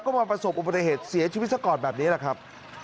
ก็มาประสบอุบัติเหตุเสียชีวิตซะก่อนแบบนี้แหละครับ